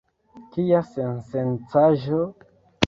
Kia sensencaĵo?